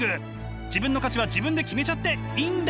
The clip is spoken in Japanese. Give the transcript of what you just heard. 自分の価値は自分で決めちゃっていいんです！